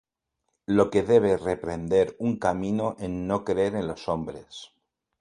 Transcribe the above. Lo que debe reprender un camino en no creer en los hombres.